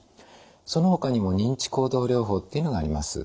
そのほかにも認知行動療法っていうのがあります。